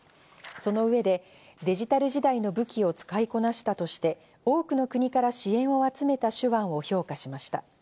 その上で、デジタル時代の武器を使いこなしたとして、多くの国から支援を集めた手腕を評価しました。